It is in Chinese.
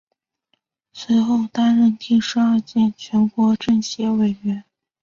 随后担任第十二届全国政协委员。